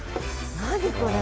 何これ？